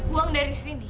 uang dari sini